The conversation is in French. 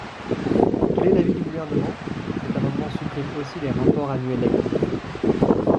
Quel est l’avis du Gouvernement ? Cet amendement supprime aussi les rapports annuels d’activité.